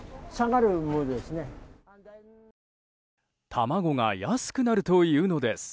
卵が安くなるというのです。